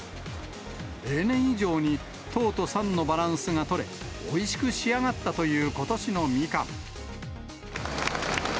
例年以上に糖と酸のバランスが取れ、おいしく仕上がったということしのミカン。